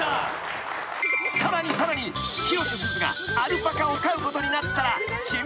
［さらにさらに広瀬すずがアルパカを飼うことになったらシミュレーション］